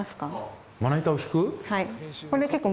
はい。